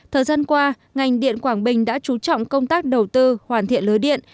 thời gian qua ngành điện quảng bình đã chú trọng công tác đầu tư hoàn thiện lưới điện